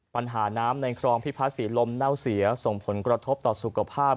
ปัญหาน้ำในครองพิพัฒนศรีลมเน่าเสียส่งผลกระทบต่อสุขภาพ